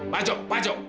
pak jok pak jok